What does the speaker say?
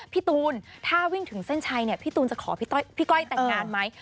พี่ตูนถ้าวิ่งถึงเส้นชัยเนี่ยพี่ตูนจะขอพี่ก้อยแต่งงานไหม